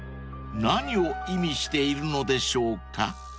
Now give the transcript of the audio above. ［何を意味しているのでしょうか？］